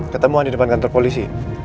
ketemuan di depan kantor polisi